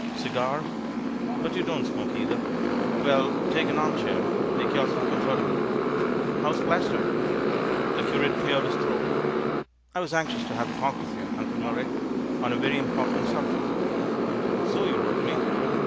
"Cigar? But you don't smoke either! Well, take an armchair; make yourself comfortable. How's Plaistow?" The curate cleared his throat. "I was anxious to have a talk with you. Uncle Murray, on a very important subject." "So you wrote me.